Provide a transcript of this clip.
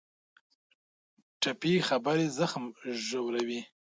ټپي خبرې زخم ژوروي.